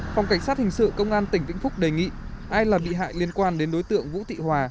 phòng cảnh sát hình sự công an tỉnh vĩnh phúc đề nghị ai là bị hại liên quan đến đối tượng vũ thị hòa